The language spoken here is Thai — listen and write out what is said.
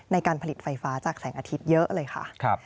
ในการผลิตไฟฟ้าจากแสงอาทิตย์เยอะเลยค่ะ